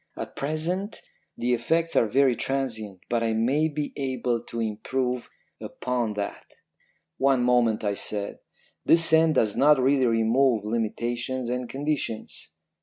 At present the effects are very transient, but I may be able to improve upon that.' "'One moment,' I said. 'This scent does not really remove limitations and conditions.'